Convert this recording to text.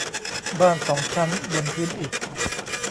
บ้านสองชั้นบนพื้นอิฐ